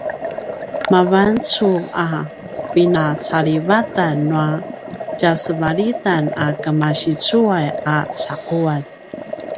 mavancu a pinacalivatan nua tjasevalitan a kemasicuay a caquan